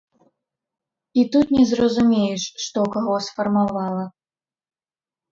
І тут не зразумееш, што каго сфармавала.